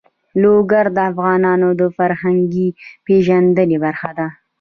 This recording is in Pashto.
لوگر د افغانانو د فرهنګي پیژندنې برخه ده.